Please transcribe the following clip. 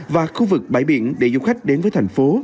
và khu vực bãi biển để du khách đến với thành phố